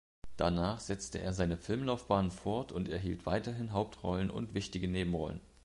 Danach setzte er seine Filmlaufbahn fort und erhielt weiterhin Hauptrollen und wichtige Nebenrollen.